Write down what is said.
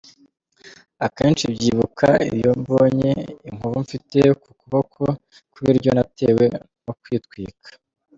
Akenshi byibuka iyo mbonye inkovu mfite ku kuboko kw’iburyo natewe no kwitwika”.